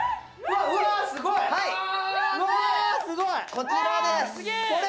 こちらです！